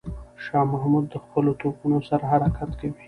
شاه محمود د خپلو توپونو سره حرکت کوي.